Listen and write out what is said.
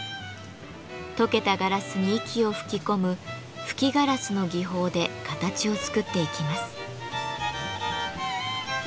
溶けたガラスに息を吹き込む「吹きガラス」の技法で形を作っていきます。